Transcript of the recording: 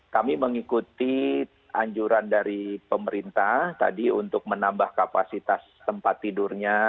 kami mengikuti anjuran dari pemerintah tadi untuk menambah kapasitas tempat tidurnya